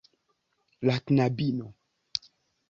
La knabino.